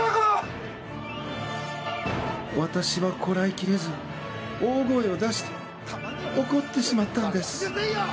私はこらえ切れず、大声を出して怒ってしまったんです。